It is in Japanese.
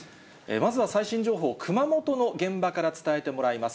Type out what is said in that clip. まずは最新情報、熊本の現場から伝えてもらいます。